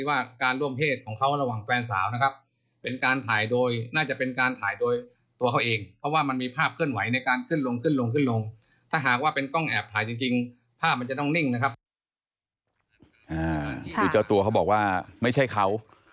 อ้าวหรือเจ้าตัวเค้าบอกว่าไม่ใช่เค้า